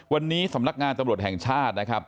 วันนี้สำนักงานตรวจแห่งชาติ